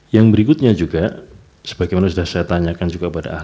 yang berikutnya juga sebagaimana sudah saya tanyakan juga pada ahli